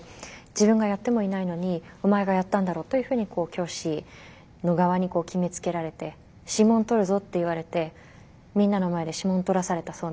自分がやってもいないのに「お前がやったんだろう」というふうに教師の側に決めつけられて「指紋採るぞ」と言われてみんなの前で指紋採らされたそうなんですよね。